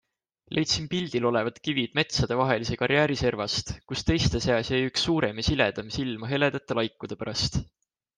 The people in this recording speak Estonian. Leidsin pildil olevad kivid metsade vahelise karjääri servast, kus teiste seas jäi üks suurem ja siledam silma heledate laikude pärast.